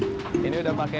ini sudah pakai